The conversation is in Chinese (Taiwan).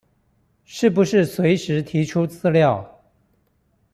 是不是隨時提出資料